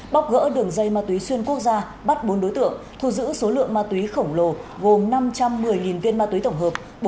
bóc gỡ đường dây ma túy xuyên quốc gia bắt bốn đối tượng thu giữ số lượng ma túy khổng lồ gồm năm trăm một mươi viên ma túy tổng hợp